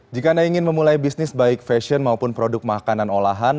jika anda ingin memulai bisnis baik fashion maupun produk makanan olahan